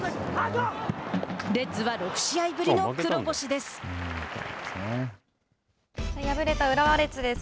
レッズは６試合ぶりの黒星です。